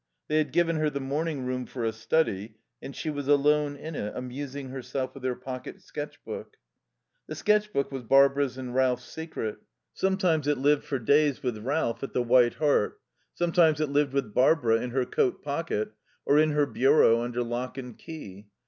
They had given her the morning room for a study, and she was alone in it, amusing herself with her pocket sketch book. The sketch book was Barbara's and Ralph's secret. Sometimes it lived for days with Ralph at the White Hart. Sometimes it lived with Barbara, in her coat pocket, or in her bureau under lock and key.